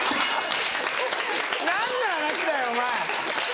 何の話だよお前。